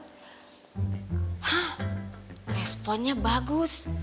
hah responnya bagus